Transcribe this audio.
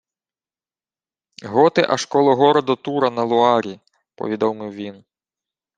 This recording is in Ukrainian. — Готи аж коло городу Тура на Луарі, — повідомив він.